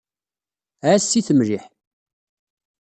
Ɛass-it mliḥ.